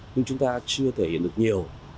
nhưng chúng ta chưa thể hiện được nhiều